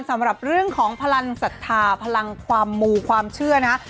สำหรับเรื่องของพลังศรัทธาพลังความมูความเชื่อนะฮะ